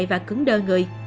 và cứng đơ người